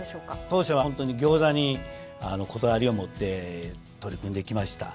当社はホントにギョーザにこだわりを持って取り組んできました。